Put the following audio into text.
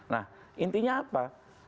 nah intinya apa